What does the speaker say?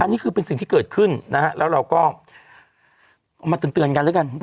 นี่คือเป็นสิ่งที่เกิดขึ้นนะฮะแล้วเราก็เอามาเตือนกันแล้วกัน